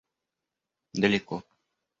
Далеко.